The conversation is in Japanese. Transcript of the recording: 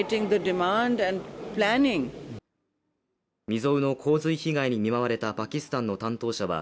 未曽有の洪水被害に見舞われたパキスタンの担当者は、